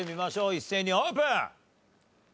一斉にオープン！